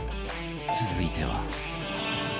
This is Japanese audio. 続いては